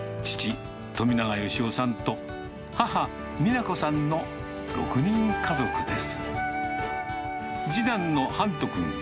父、富永英生さんと母、美名子さんの６人家族です。